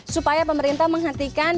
supaya pemerintah menghentikan